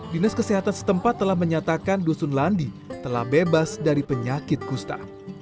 dinas kesehatan setempat telah menyatakan dusun landi telah bebas dari penyakit kusta